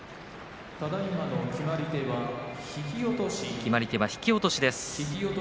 決まり手は引き落としです。